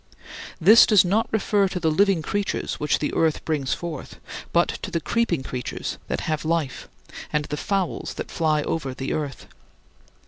This does not refer to the living creatures which the earth brings forth, but to the creeping creatures that have life and the fowls that fly over the earth.